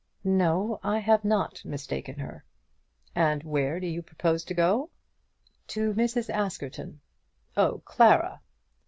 "No; I have not mistaken her." "And where do you propose to go?" "To Mrs. Askerton." "Oh, Clara!"